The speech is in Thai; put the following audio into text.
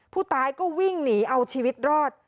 ผู้ตายก็วิ่งหนีเอาชีวิตรอด